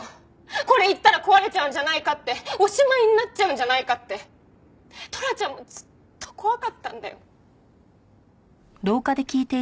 これ言ったら壊れちゃうんじゃないかっておしまいになっちゃうんじゃないかってトラちゃんもずっと怖かったんだよ。